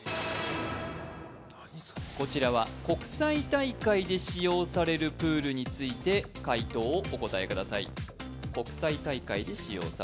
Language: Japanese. こちらは国際大会で使用されるプールについて、解答をお答えください。